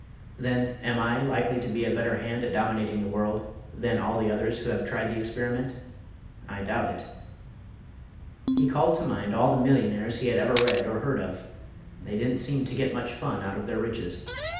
Then, am I likely to be a better hand at dominating the world than all the others who have tried the experiment? I doubt it." He called to mind all the millionaires he had ever read or heard of; they didn't seem to get much fun out of their riches.